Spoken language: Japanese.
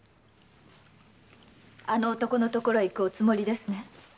あの男のところへ行くおつもりですね。